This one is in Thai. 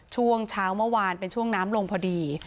ช่วงเช้าเมื่อวานเป็นช่วงน้ำลงพอดี